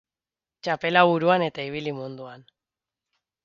Txapela buruan eta ibili munduan.